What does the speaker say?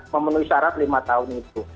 memenuhi syarat lima tahun itu